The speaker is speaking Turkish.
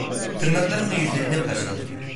Tırnaklarımla yüzlerini parçaladım…